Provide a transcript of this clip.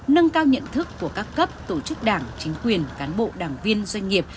nâng cao nhận thức của các cấp tổ chức đảng chính quyền cán bộ đảng viên doanh nghiệp